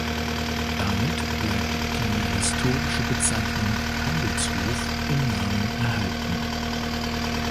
Damit bleibt die historische Bezeichnung "Handelshof" im Namen erhalten.